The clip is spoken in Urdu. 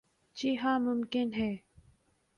جی ہاں ممکن ہے ۔